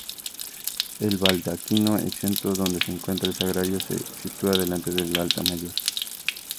El baldaquino exento, donde se encuentra el sagrario, se sitúa delante del altar mayor.